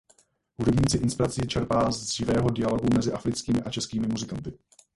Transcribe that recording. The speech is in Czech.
Hudební inspiraci čerpá z živého dialogu mezi africkými a českými muzikanty.